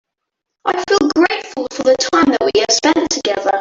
I feel grateful for the time that we have spend together.